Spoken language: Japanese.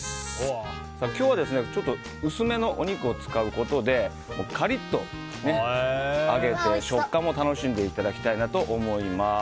今日は、ちょっと薄めのお肉を使うことで、カリッと揚げて食感を楽しんでいただきたいなと思います。